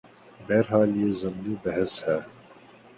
بہرحال یہ ضمنی بحث ہے۔